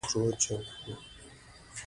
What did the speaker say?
دوی به د ډوډۍ په پیلولو کې ځنډ نه کاوه.